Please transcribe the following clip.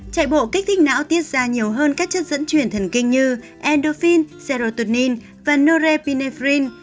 chạy bộ kích thích não tiết ra nhiều hơn các chất dẫn chuyển thần kinh như endorphin serotonin và norepinephrine